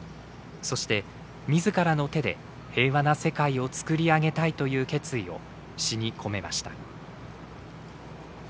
そして「みずからの手で平和な世界を作り上げたい」という決意を詩に込めました。